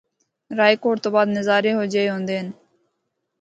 رائے کوٹ تو بعد نظارے ہو جئے ہوندے ہن۔